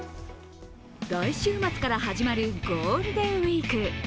来週末から始まるゴールデンウイーク。